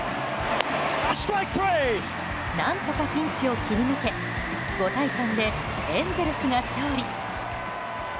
何とかピンチを切り抜け５対３でエンゼルスが勝利。